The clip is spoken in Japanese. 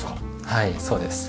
はいそうです。